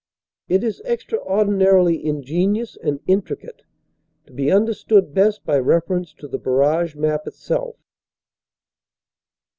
It is extraordinarily ingen ious and intricate, to be understood best by reference to the barrage map itself.